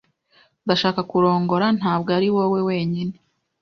Ndashaka kurongora, ntabwo ari wowe wenyine.